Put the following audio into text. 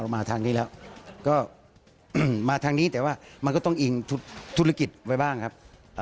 มาทางนี้แต่ว่ามันก็ต้องอิ่งธุรกิจไว้บ้างครับ